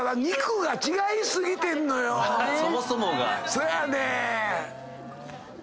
そやねん。